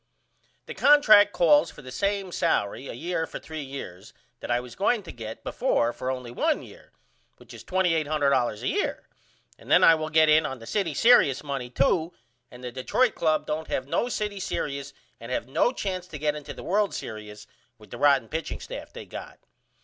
The contract calls for the same salery a year for 3 years that I was going to get before for only 1 year which is $2800.00 a year and then I will get in on the city serious money too and the Detroit Club don't have no city serious and have no chance to get into the World's Serious with the rotten pitching staff they got.